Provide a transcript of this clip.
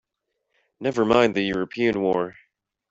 Never mind the European war!